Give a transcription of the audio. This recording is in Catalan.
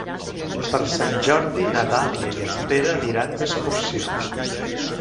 Per Sant Jordi na Dàlia i en Pere aniran d'excursió.